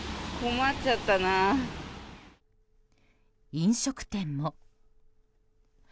飲食店も。